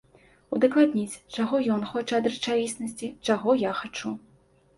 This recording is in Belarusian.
Удакладніць, чаго ён хоча ад рэчаіснасці, чаго я хачу.